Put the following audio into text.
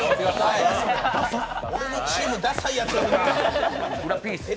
俺のチーム、ダサいやつ多いな。